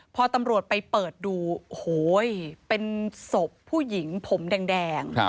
พอตำรวจไปเปิดดูโอ้โหเป็นศพผู้หญิงผมแดง